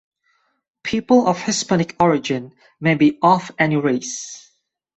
People of Hispanic origin may be of any race.